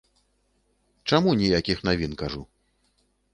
Чаму ніякіх навін, кажу.